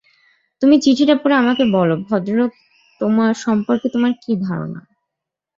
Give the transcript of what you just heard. তুমি চিঠিটা পড়ে আমাকে বল ভদ্রলোক সম্পর্কে তোমার কী ধারণা।